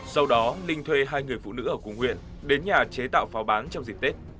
sau đó linh thuê hai người phụ nữ ở cùng huyện đến nhà chế tạo pháo bán trong dịp tết